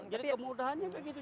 jadi kemudahannya begitu